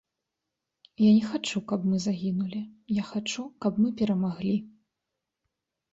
Я не хачу, каб мы загінулі, я хачу, каб мы перамаглі.